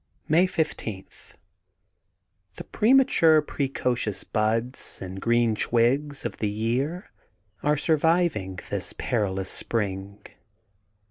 '* May 15: — ^The premature, precocious buds and green twigs of the year are surviving this perilous spring.